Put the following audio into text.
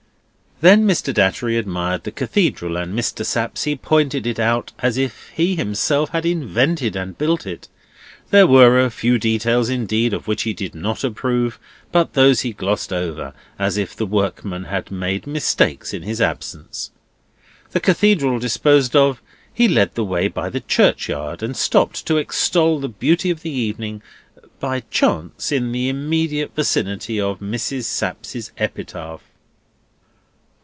Then Mr. Datchery admired the Cathedral, and Mr. Sapsea pointed it out as if he himself had invented and built it: there were a few details indeed of which he did not approve, but those he glossed over, as if the workmen had made mistakes in his absence. The Cathedral disposed of, he led the way by the churchyard, and stopped to extol the beauty of the evening—by chance—in the immediate vicinity of Mrs. Sapsea's epitaph.